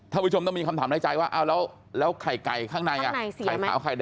ผู้ชมต้องมีคำถามในใจว่าแล้วไข่ไก่ข้างใน